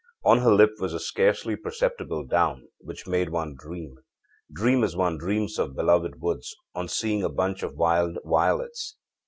On her lip was a scarcely perceptible down, which made one dream dream as one dreams of beloved woods, on seeing a bunch of wild violets.